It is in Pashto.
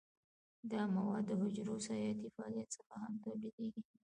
دا مواد د حجرو حیاتي فعالیت څخه هم تولیدیږي.